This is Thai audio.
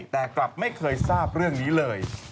แต่กลับไม่เคยทราบเรื่องนี้เลย